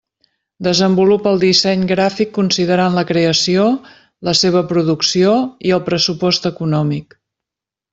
Desenvolupa el disseny gràfic considerant la creació, la seva producció i el pressupost econòmic.